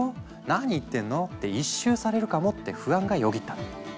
何言ってんの？」って一蹴されるかもって不安がよぎったの。